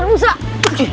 udah pernah masuk